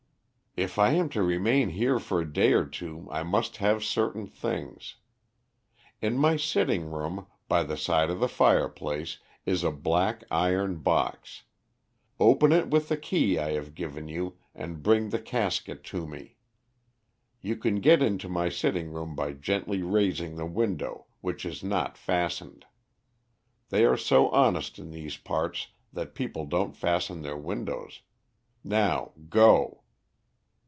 "If I am to remain here for a day or two I must have certain things. In my sitting room, by the side of the fireplace, is a black iron box. Open it with the key I have given you and bring the casket to me. You can get into my sitting room by gently raising the window, which is not fastened. They are so honest in these parts that people don't fasten their windows. Now go."